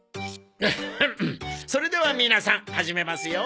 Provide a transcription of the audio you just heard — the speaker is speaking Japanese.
それでは皆さん始めますよ。